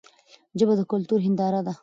ژبه د کلتور هنداره ده.